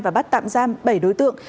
và bắt tạm giam bảy đối tượng